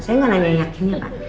saya nggak nanya yakinnya pak